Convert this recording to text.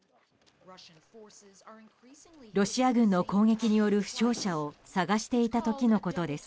ロシア軍の攻撃による負傷者を探していた時のことです。